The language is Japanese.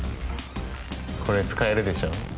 これ使えるでしょう？